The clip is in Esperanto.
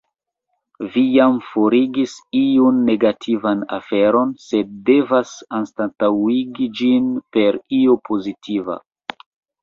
Vi jam forigis iun negativan aferon, sed devas anstataŭigi ĝin per io pozitiva.